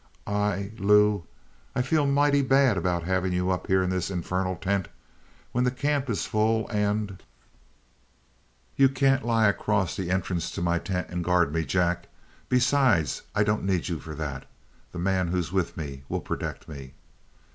"I Lou I feel mighty bad about having you up here in this infernal tent, when the camp is full, and ": "You can't lie across the entrance to my tent and guard me, Jack. Besides, I don't need you for that. The man who's with me will protect me."